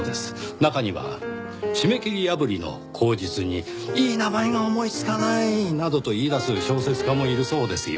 中には締め切り破りの口実に「いい名前が思いつかない！」などと言い出す小説家もいるそうですよ。